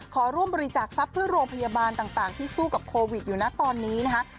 ขอร่วมบริจาคทรัพย์เพื่อโรงพยาบาลต่างที่สู้กับโควิดอยู่นะตอนนี้นะคะ